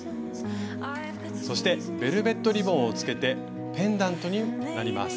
そしてベルベットリボンをつけてペンダントになります。